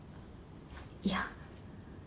いや。